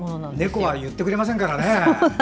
猫は言ってくれませんからね。